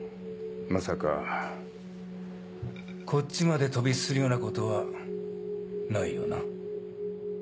まさかこっちまで飛び火するようなことはないよな？